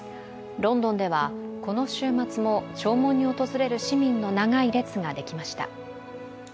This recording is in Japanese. ロンドンでは、この週末も弔問に訪れる市民の長い列ができました。